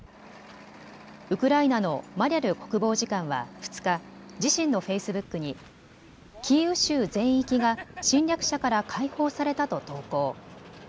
ウクライナのマリャル国防次官は２日、自身のフェイスブックにキーウ州全域が侵略者から解放されたと投稿。